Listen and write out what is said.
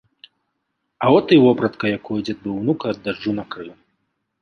А от і вопратка, якою дзед быў унука ад дажджу накрыў.